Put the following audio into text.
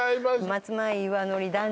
松前岩のり段